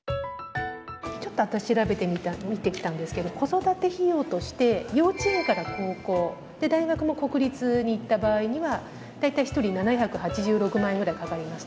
私調べてみてきたんですけど子育て費用として幼稚園から高校で大学も国立に行った場合には大体１人７８６万円ぐらいかかりますと。